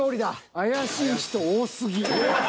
怪しい人多すぎ。